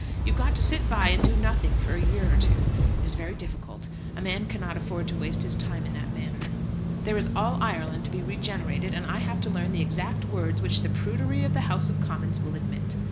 You've got to sit by and do nothing for a year or two. It is very difficult. A man cannot afford to waste his time in that manner. There is all Ireland to be regenerated, and I have to learn the exact words which the prudery of the House of Commons will admit.